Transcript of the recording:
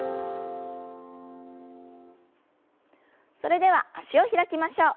それでは脚を開きましょう。